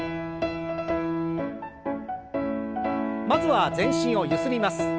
まずは全身をゆすります。